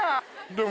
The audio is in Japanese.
でも。